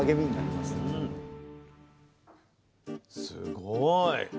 すごい。